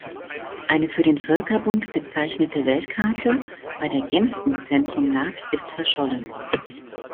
Eine für den Völkerbund gezeichnete Weltkarte, bei der Genf im Zentrum lag, ist verschollen.